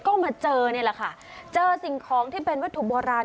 ก็มาเจอนี่แหละค่ะเจอสิ่งของที่เป็นวัตถุโบราณ